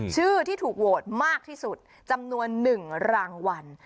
ชื่อที่ถูกโหวตมากที่สุดจำนวน๑รางวัล